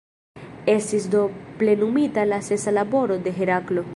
Estis do plenumita la sesa laboro de Heraklo.